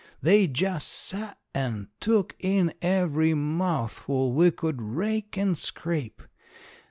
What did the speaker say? They just sat and took in every mouthful we could rake and scrape.